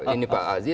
ini pak arjo